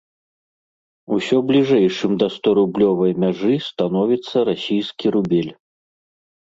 Усё бліжэйшым да сторублёвай мяжы становіцца расійскі рубель.